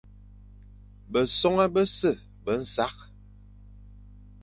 Besoña bese be nsakh,